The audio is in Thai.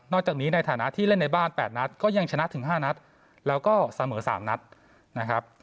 จากนี้ในฐานะที่เล่นในบ้าน๘นัดก็ยังชนะถึง๕นัดแล้วก็เสมอ๓นัดนะครับ